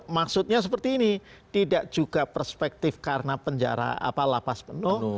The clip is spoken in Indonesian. maksudnya seperti ini tidak juga perspektif karena penjara lapas penuh